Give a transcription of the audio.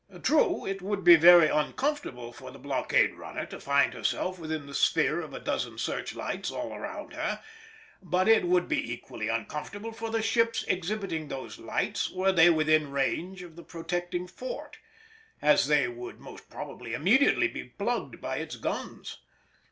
True, it would be very uncomfortable for the blockade runner to find herself within the sphere of a dozen search lights all around her, but it would be equally uncomfortable for the ships exhibiting those lights were they within range of the protecting fort, as they would most probably immediately be plugged by its guns.